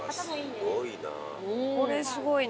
これはすごいな。